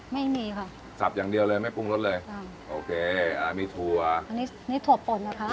ไม่มีค่ะสับอย่างเดียวเลยไม่ปรุงรสเลยค่ะโอเคอ่ามีถั่วอันนี้นี่ถั่วป่นนะคะ